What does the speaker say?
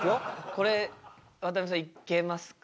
これ渡辺さんいけますか？